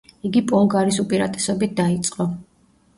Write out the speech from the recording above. იგი პოლგარის უპირატესობით დაიწყო.